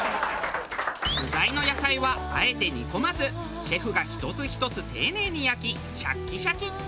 具材の野菜はあえて煮込まずシェフが１つ１つ丁寧に焼きシャッキシャキ。